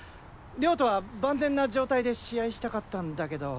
亮とは万全な状態で試合したかったんだけど。